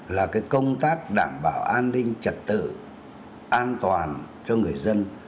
là cái công tác đảm bảo an ninh trật tự an toàn cho người dân